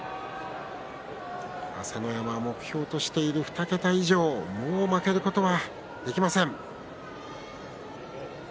朝乃山は目標としている２桁以上もう負けることはできません。